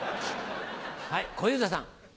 はい小遊三さん。